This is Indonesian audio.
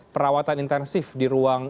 perawatan intensif di ruang